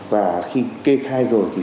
và khi kê khai rồi